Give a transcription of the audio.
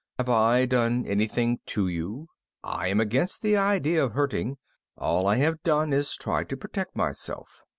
"Have I done anything to you? I am against the idea of hurting. All I have done is try to protect myself.